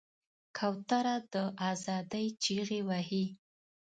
کوتره د آزادۍ چیغې وهي.